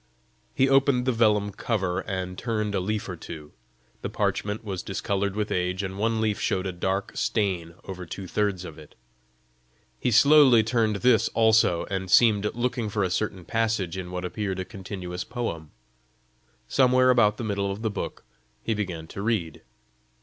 He opened the vellum cover, and turned a leaf or two. The parchment was discoloured with age, and one leaf showed a dark stain over two thirds of it. He slowly turned this also, and seemed looking for a certain passage in what appeared a continuous poem. Somewhere about the middle of the book he began to read.